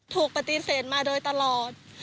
ถูกปฏิเสธมาโดยตลอด